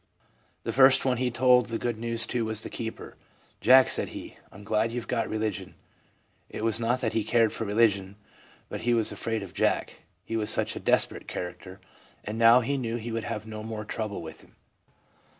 The first one he told the good news to was the keeper. " Jack," said he, u I 'm glad you Ve got religion." It was not that he cared for religion, but he was afraid of Jack, he was such a desperate character, and now he knew he would have no more trouble with him.